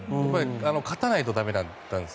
勝たないと駄目だったんです。